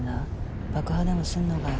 爆破でもすんのかよ。